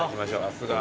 さすが。